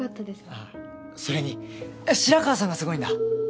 あぁそれに白川さんがすごいんだ。